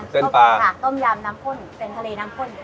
เส้นปลาต้มยำน้ำข้นทะเลน้ำข้น